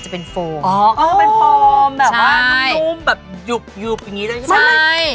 ใช่